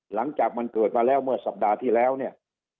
หลังจากมันเกิดมาแล้วเมื่อสัปดาห์ที่แล้วเนี่ย